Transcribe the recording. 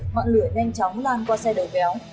mạng lửa nhanh chóng lan qua xe đầu véo